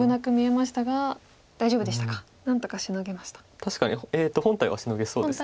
確かに本体はシノげそうです何とか。